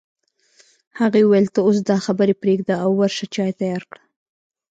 هغې وویل ته اوس دا خبرې پرېږده او ورشه چای تيار کړه